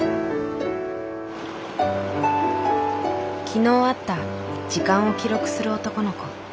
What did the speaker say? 昨日会った時間を記録する男の子。